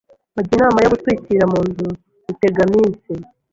Bajya inama yo gutwikira mu nzu Rutegaminsi